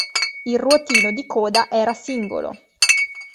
Il ruotino di coda era singolo.